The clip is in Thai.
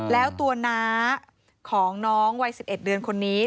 แล้วตัวน้าของน้องวัย๑๑เดือนคนนี้